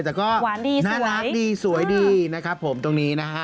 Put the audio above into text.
แต่ก็น่ารักดีสวยดีนะครับผมตรงนี้นะฮะ